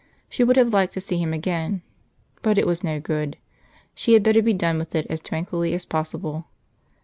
She would have liked to see him again. But it was no good. She had better be done with it as tranquilly as possible.